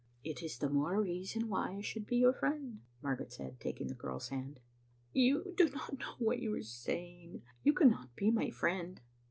" It is the more reason why I should be your friend," Margaret said, taking the girl's hand, " You do not know what you are saying. You cannot be my friend."